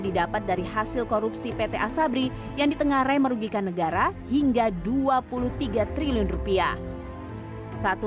didapat dari hasil korupsi pta sabri yang ditengah raih merugikan negara hingga dua puluh tiga triliun rupiah satu